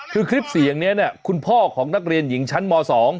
คือคลิปเสียงนี้เนี่ยคุณพ่อของนักเรียนหญิงชั้นม๒